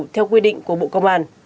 theo quy định của bộ công an